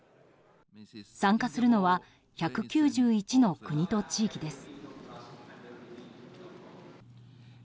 参加するのは１９１の国と地域です。